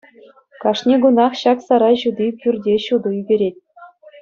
Кашни кунах ҫак сарай ҫути пӳрте ҫутӑ ӳкерет.